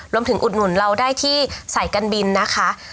รวมถึงอุดหนุนเราได้ที่สายกันบินนะคะ